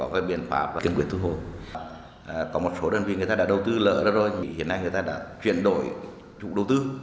vì người ta đã đầu tư lỡ rồi hiện nay người ta đã chuyển đổi chủ đầu tư